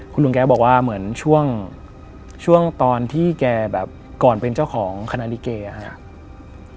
คุณลุงแกบอกว่าเหมือนช่วงช่วงตอนที่แกแบบก่อนเป็นเจ้าของคณะลิเกครับ